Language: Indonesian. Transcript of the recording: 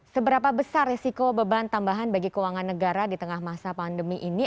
seberapa besar resiko beban tambahan bagi keuangan negara di tengah masa pandemi ini